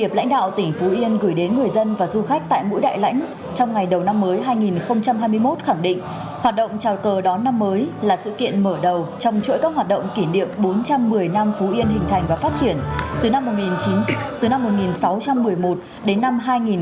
lãnh đạo tỉnh phú yên gửi đến người dân và du khách tại mũi đại lãnh trong ngày đầu năm mới hai nghìn hai mươi một khẳng định hoạt động chào cờ đón năm mới là sự kiện mở đầu trong chuỗi các hoạt động kỷ niệm bốn trăm một mươi năm phú yên hình thành và phát triển từ năm một nghìn sáu trăm một mươi một đến năm hai nghìn hai mươi